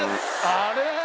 あれ？